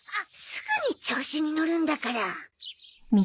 すぐに調子にのるんだから。